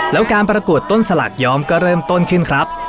แล้วการประกวดต้นสลากย้อมก็เริ่มต้นขึ้นครับ